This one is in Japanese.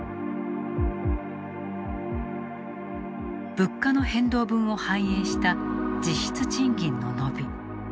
物価の変動分を反映した実質賃金の伸び。